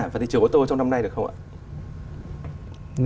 và thị trường ô tô trong năm nay được không ạ